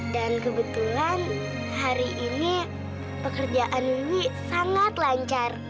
dan kebetulan hari ini pekerjaan wih sangat lancar